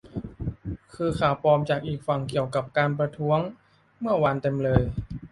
คือข่าวปลอมจากอีกฝั่งเกี่ยวกับการประท้วงเมื่อวานเต็มเลย